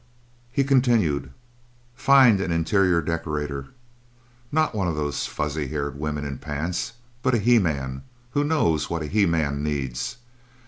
He continued: "Find an interior decorator. Not one of these fuzzy haired women in pants, but a he man who knows what a he man needs.